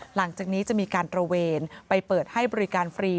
หลังจากนี้จะมีการตระเวนไปเปิดให้บริการฟรี